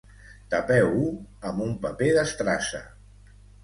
Tapeu-ho amb un paper d'estrassa